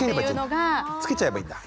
つけちゃえばいいんだ。